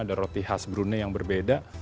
ada roti khas brunei yang berbeda